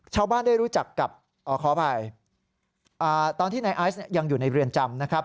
ชาวบ้านได้รู้จักกับขออภัยตอนที่นายไอซ์ยังอยู่ในเรือนจำนะครับ